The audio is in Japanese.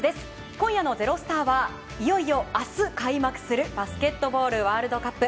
今夜の「＃ｚｅｒｏｓｔａｒ」はいよいよ明日開幕するバスケットボールワールドカップ。